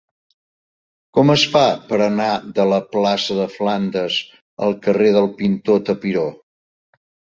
Com es fa per anar de la plaça de Flandes al carrer del Pintor Tapiró?